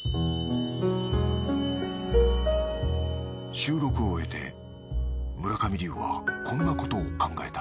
収録を終えて村上龍はこんなことを考えた